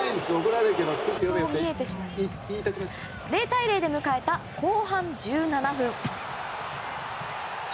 ０対０で迎えた後半１７分。